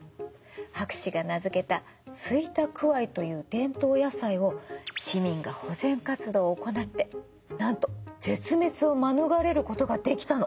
博士が名付けたスイタクワイという伝統野菜を市民が保全活動を行ってなんと絶滅を免れることができたの。